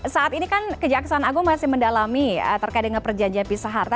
saat ini kan kejaksaan agung masih mendalami terkait dengan perjanjian pisa harta